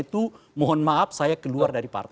itu mohon maaf saya keluar dari partai